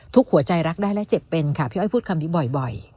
หัวใจรักได้และเจ็บเป็นค่ะพี่อ้อยพูดคำนี้บ่อย